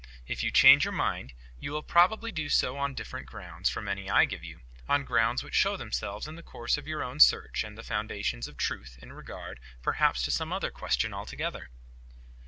If you change your mind, you will probably do so on different grounds from any I give you, on grounds which show themselves in the course of your own search after the foundations of truth in regard perhaps to some other question altogether."